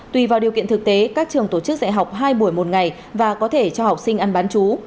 tùy vào điều kiện thực tế các trường tổ chức dạy học hai buổi một ngày và có thể cho học sinh ăn bán chú